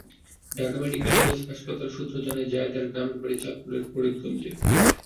Dhaka medical college হাসপাতাল সূত্র জানায়, জায়েদার গ্রামের বাড়ি চাঁদপুরের ফরিদগঞ্জে।